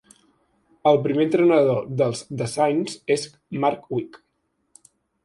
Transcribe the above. El primer entrenador dels The Saints és Mark Wick.